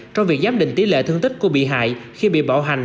trong việc giám định tỷ lệ thương tích của bị hại khi bị bạo hành